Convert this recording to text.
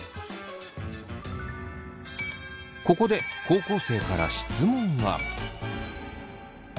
ここで高校生から質問が。